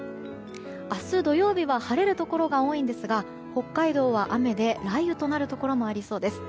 明日、土曜日は晴れるところが多いんですが北海道は雨で雷雨となるところもありそうです。